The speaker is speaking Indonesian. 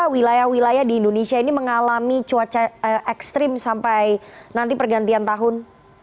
wilayah wilayah di indonesia ini mengalami cuaca ekstrim sampai nanti pergantian tahun